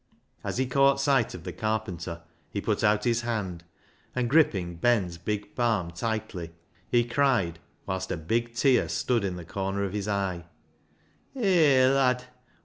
As he caught sight of the carpenter, he put out his hand, and gripping Ben's big palm tightly, he cried, whilst a big tear stood in the corner of his eye —" Hay, lad